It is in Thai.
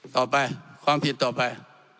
ต่อไปความผิดต่อไป